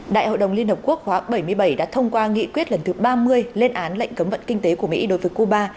đại hội đồng liên hợp quốc khóa bảy mươi bảy đã thông qua nghị quyết lần thứ ba mươi lên án lệnh cấm vận kinh tế của mỹ đối với cuba